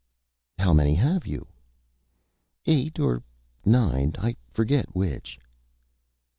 "How Many have you?" "Eight or Nine I forget Which."